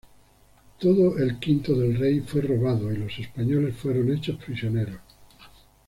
Todo el "quinto del rey" fue robado y los españoles fueron hechos prisioneros.